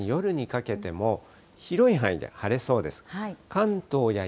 そして夕方、さらに夜にかけても、広い範囲で晴れそうです。